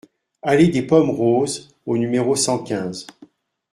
Allée des Pommes Roses au numéro cent quinze